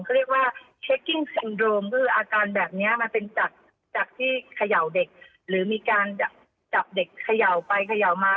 เขาเรียกว่าเช็คกิ้งโดมก็คืออาการแบบนี้มันเป็นจากที่เขย่าเด็กหรือมีการจับเด็กเขย่าไปเขย่ามา